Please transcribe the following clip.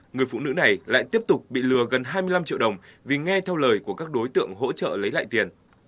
người phụ nữ này lại tiếp tục bị lừa gần hai mươi năm triệu đồng vì nghe theo lời của các đối tượng hỗ trợ lấy lại tiền